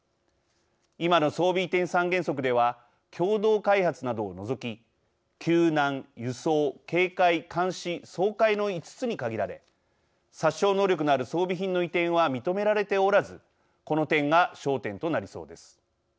今の装備移転三原則では共同開発などを除き救難輸送警戒監視掃海の５つに限られ殺傷能力のある装備品の移転は認められておらずこの点が焦点となりそうです。